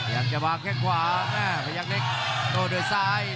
อยากจะวางแค่ขวาภัยักษ์เล็กโดด้วยซ้าย